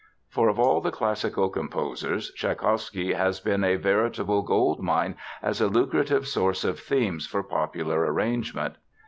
For, of all the classical composers, Tschaikowsky has been a veritable gold mine as a lucrative source of themes for popular arrangement.